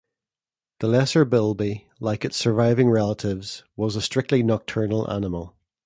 The lesser bilby, like its surviving relatives, was a strictly nocturnal animal.